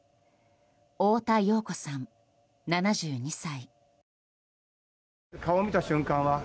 太田洋子さん、７２歳。